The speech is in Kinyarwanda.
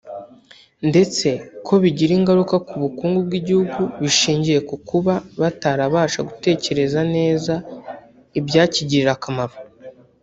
ndetse ko bigira ingaruka ku bukungu bw’igihugu bishingiye ku kuba batabasha gutekereza neza ibyakigirira akamaro